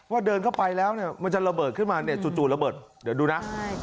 ว่าเดินเข้าไปแล้วมันจะระเบิดขึ้นมาจู่ระเบิดเดี๋ยวดูนะ